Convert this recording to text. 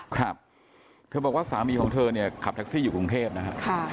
ครับเธอบอกว่าสามีของเธอเนี่ยขับแท็กซี่อยู่กรุงเทพนะฮะ